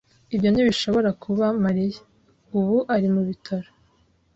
Ibyo ntibishobora kuba Mariya. Ubu ari mu bitaro.